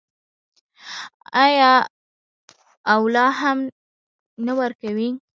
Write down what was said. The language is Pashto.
آیا او لا هم نه ورکوي؟